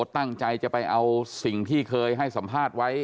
ตั้งใจจะไปเอาสิ่งที่เคยให้สัมภาษณ์ไว้